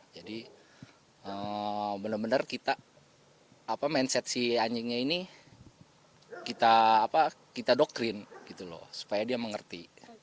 jadi benar benar kita mindset si anjingnya ini kita doktrin supaya dia mengerti